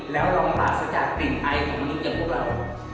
แล้วเราตาก็รู้จักกลิ่นไอของมนุษย์อย่างพวกเรา